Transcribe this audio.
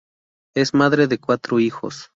Es madre de cuatro hijos.